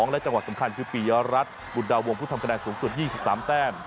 และจังหวัดสำคัญคือปียรัฐบุญดาวงผู้ทำคะแนนสูงสุด๒๓แต้ม